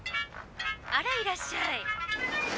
あらいらっしゃい。